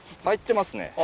入ってますね。